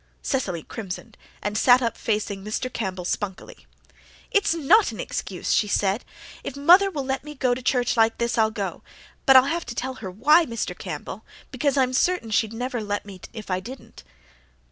Cecily crimsoned and sat up facing Mr. Campbell spunkily. "It's NOT an excuse," she said. "If mother will let me go to church like this I'll go. But I'll have to tell HER why, Mr. Campbell, because I'm certain she'd never let me if I didn't."